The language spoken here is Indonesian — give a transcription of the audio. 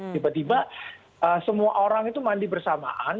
tiba tiba semua orang itu mandi bersamaan